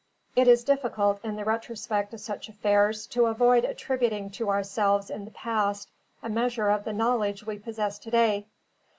It is difficult, in the retrospect of such affairs, to avoid attributing to ourselves in the past a measure of the knowledge we possess to day.